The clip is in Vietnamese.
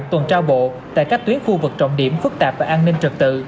tuần tra bộ tại các tuyến khu vực trọng điểm phức tạp và an ninh trật tự